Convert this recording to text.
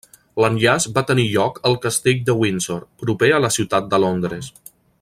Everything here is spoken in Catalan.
L'enllaç va tenir lloc al Castell de Windsor, proper a la ciutat de Londres.